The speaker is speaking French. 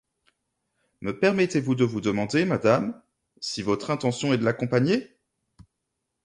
Me permettez-vous de vous demander, madame, si votre intention est de l’accompagner ?